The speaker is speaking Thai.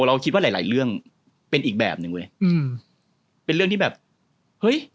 เราคิดว่าหลายหลายเรื่องเป็นอีกแบบหนึ่งเว้ยอืมเป็นเรื่องที่แบบเฮ้ย